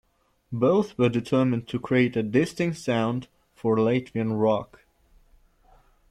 Both were determined to create a distinct sound for Latvian rock.